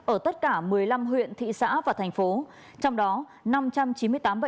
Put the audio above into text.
ở tất cả một mươi năm huyện thị xã và thành phố trong đó năm trăm chín mươi tám bệnh nhân đã được điều trị khỏi và được xuất biện